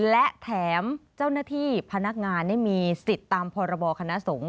และแถมเจ้าหน้าที่พนักงานได้มีสิทธิ์ตามพรบคณะสงฆ์